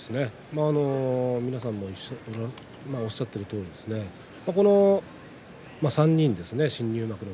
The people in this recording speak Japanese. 皆さんがおっしゃっているとおりこの３人ですね